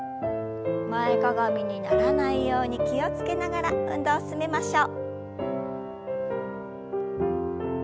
前かがみにならないように気を付けながら運動を進めましょう。